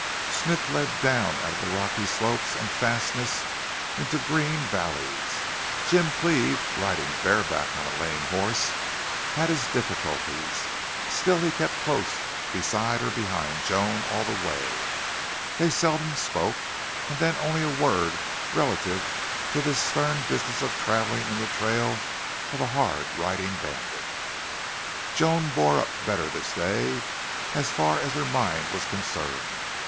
Smith led down out of the rocky slopes and fastnesses into green valleys. Jim Cleve, riding bareback on a lame horse, had his difficulties. Still he kept close beside or behind Joan all the way. They seldom spoke, and then only a word relative to this stern business of traveling in the trail of a hard riding bandit. Joan bore up better this day, as far as her mind was concerned.